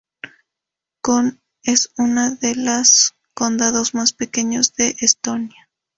Con es una de los condados más pequeños de Estonia.